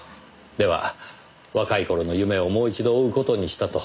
では若い頃の夢をもう一度追う事にしたと。